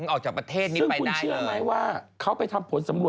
ออกจากประเทศนี้ไปได้เลย